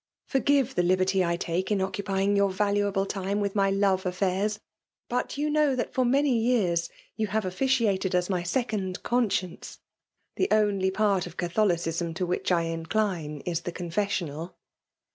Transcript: Forgive the liberty I take in occupying your valuable time with my love afiairs; but you know that for many years you have officiated as my second conscience. The only part of Catholicism to which I incline is the Confessional."